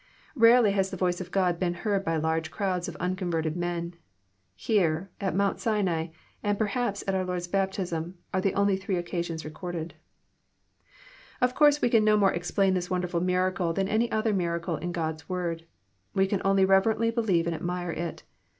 Rarely has the voice of God been heard by large crowds of un converted men. Here, at Mount Sinai, and perhaps at our Lord's baptism, are the only three occasions on record. Of course we can no more explain this wonderfUl miracle than any other miracle in God's Word. We can only reverently believe and admire it.